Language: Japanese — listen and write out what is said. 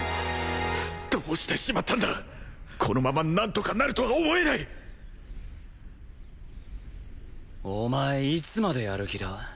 どうしてしまったんだこのまま何とかなるとは思えないお前いつまでやる気だ？